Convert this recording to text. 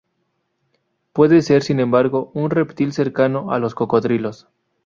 Puede ser, sin embargo, un reptil cercano a los cocodrilos.